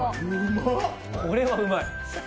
これはうまい。